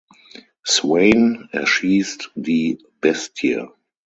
Swayne erschießt die „Bestie“.